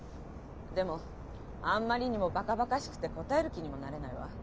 でもあんまりにもバカバカしくて答える気にもなれないわ。